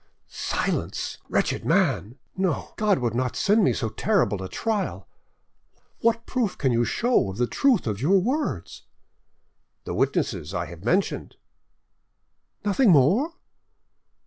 "Silence, wretched man!... No, God would not send me so terrible a trial. What proof can you show of the truth of your words?" "The witnesses I have mentioned." "Nothing more?"